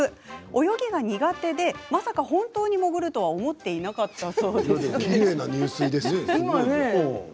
泳ぎは苦手で、まさか本当に潜るとは思っていなかったそうです。